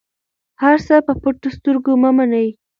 هر څه په پټو سترګو مه منئ.